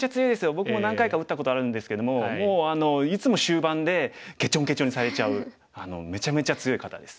僕も何回か打ったことあるんですけどももういつも終盤でけちょんけちょんにされちゃうめちゃめちゃ強い方です。